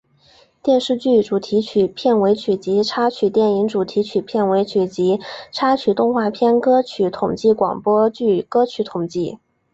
电视剧主题曲片尾曲及插曲电影主题曲片尾曲及插曲动画片歌曲统计广播剧歌曲统计